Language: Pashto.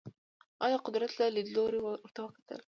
هغه د قدرت له لیدلوري ورته وکتل.